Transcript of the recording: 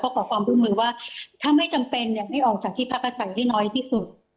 ก็ประสบความรุมือว่าถ้าไม่จำเป็นนะให้ออกจากที่ภาพประสัยที่น้อยที่สุด